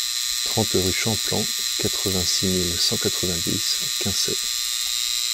trente rue Champlan, quatre-vingt-six mille cent quatre-vingt-dix Quinçay